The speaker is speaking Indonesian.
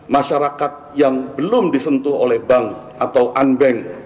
masyarakat yang belum disentuh oleh bank atau unbank